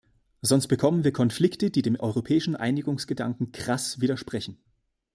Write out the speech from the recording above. Sonst bekommen wir Konflikte, die dem europäischen Einigungsgedanken krass widersprechen.